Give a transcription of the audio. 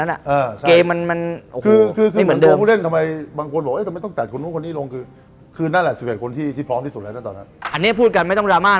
อันนี้พูดกันไม่ต้องดรามา